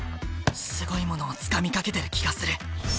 すごいものをつかみかけてる気がする。